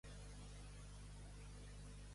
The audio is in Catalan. Trons de març, any de moscards.